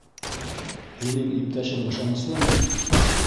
Һинең иптәшең ышаныслымы?